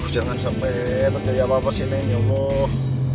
jangan sampai terjadi apa apa sih neng ya allah